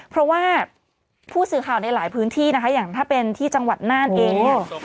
เพราะว่าผู้สื่อข่าวในหลายพื้นที่นะคะอย่างถ้าเป็นที่จังหวัดน่านเองเนี่ย